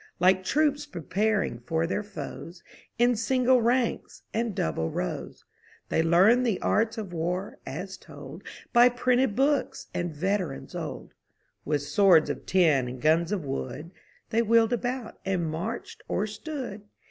Like troops preparing for their foes, In single ranks and double rows. They learned the arts of war, as told By printed books and veterans old; With swords of tin and guns of wood. They wheeled about, and marched or stood.